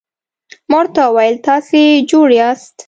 ما ورته وویل: تاسي جوړ یاست؟